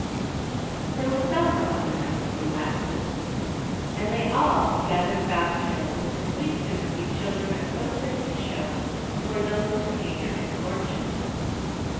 There were several other nice little lasses, and they all gathered about Jill with the sweet sympathy children are so quick to show toward those in pain or misfortune.